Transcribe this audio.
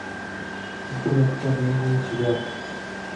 কিন্তু একটা মেয়ে নিয়েছি, ব্যস।